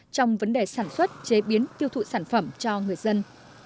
trong vấn đề sản xuất chế biến tiêu thụ sản phẩm cho người dân